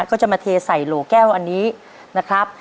ก็จะมาเทใส่โหลแก้วอันนี้นะครับ